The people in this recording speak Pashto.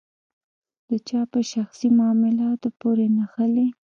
د چا په شخصي معاملاتو پورې نښلي.